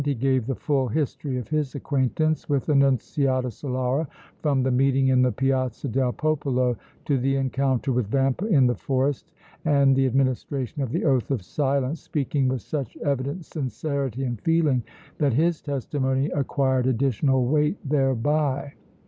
He gave the full history of his acquaintance with Annunziata Solara from the meeting in the Piazza del Popolo to the encounter with Vampa in the forest and the administration of the oath of silence, speaking with such evident sincerity and feeling that his testimony acquired additional weight thereby.